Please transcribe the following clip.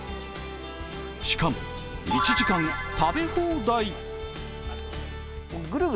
しかも、１時間食べ放題！